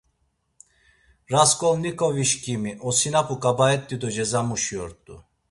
Rasǩolnikovişǩimi, osinapu ǩabaet̆i do cezamuşi ort̆u.